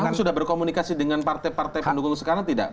apakah sudah berkomunikasi dengan partai partai pendukung sekarang tidak